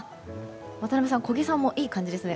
渡辺さん、小木さんもいい感じですね。